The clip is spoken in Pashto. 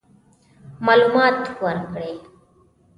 معلومات ورکړي.